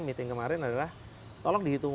meeting kemarin adalah tolong dihitung